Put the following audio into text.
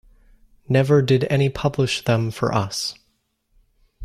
Never did any publish them for us.